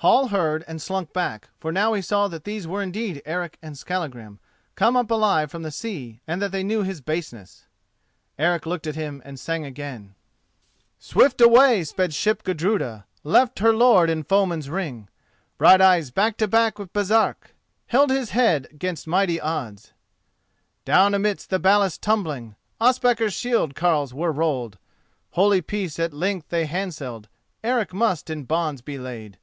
Hall heard and slunk back, for now he saw that these were indeed Eric and Skallagrim come up alive from the sea, and that they knew his baseness. Eric looked at him and sang again: "Swift away sped ship Gudruda, Left her lord in foeman's ring; Brighteyes back to back with Baresark Held his head 'gainst mighty odds. Down amidst the ballast tumbling, Ospakar's shield carles were rolled. Holy peace at length they handselled, Eric must in bonds be laid!